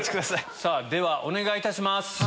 ではお願いいたします。